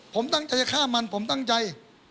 ผมตั้งใจจะฆ่ามันผมตั้งใจ